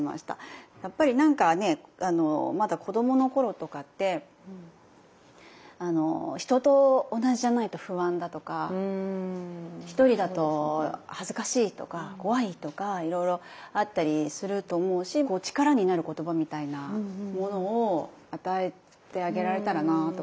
やっぱりなんかねまだ子どもの頃とかって人と同じじゃないと不安だとか１人だと恥ずかしいとか怖いとかいろいろあったりすると思うし力になる言葉みたいなものを与えてあげられたらなとかって思って。